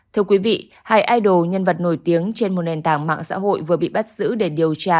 thưa quý vị hai idol nhân vật nổi tiếng trên một nền tảng mạng xã hội vừa bị bắt giữ để điều tra